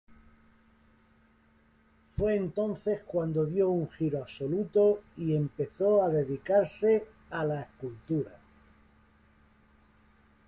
Fue entonces cuando dio un giro absoluto y empezó a dedicarse a la escultura.